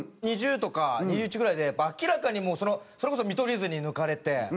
２０２０とか２０２１ぐらいで明らかにそれこそ見取り図に抜かれて。